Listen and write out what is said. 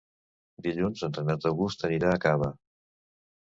Dilluns en Renat August anirà a Cava.